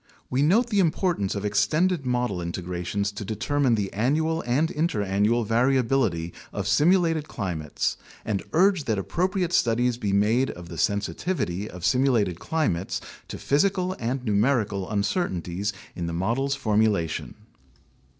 We note the importance of extended model integrations to determine the annual and interannual variability of simulated climates and urge that appropriate studies be made of the sensitivity of simulated climates to physical and numerical uncertainties in the models' formulation.